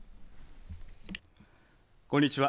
こんにちは。